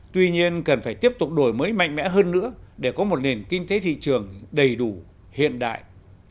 tuy nhiên cần phải tiếp tục đổi mới mạnh mẽ hơn nữa để có một nền kinh tế thị trường đầy đủ hiện đại